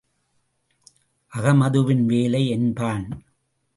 அகமதுவின் வேலை என்பான்.